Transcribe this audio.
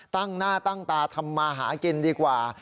ตั้งหน้าตั้งตาทำมาหากินดีกว่า